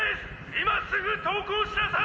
今すぐ投降しなさい！